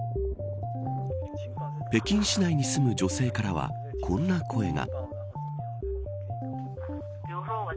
北京市内に住む女性からはこんな声が。